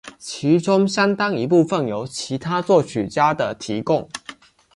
其中相当一部分由其他作曲家的提供。